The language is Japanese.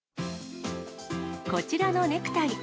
こちらのネクタイ。